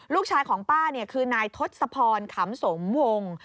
ลูกชายของป้าคือนายทศพรขำสมวง